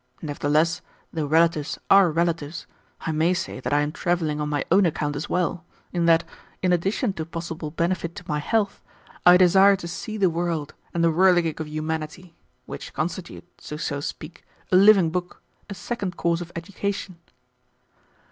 Nevertheless, though relatives are relatives, I may say that I am travelling on my own account as well, in that, in addition to possible benefit to my health, I desire to see the world and the whirligig of humanity, which constitute, to so speak, a living book, a second course of education."